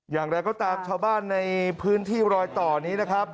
อย่างไรก็ตามชาวบ้านในพื้นที่รอยต่อนี้นะครับ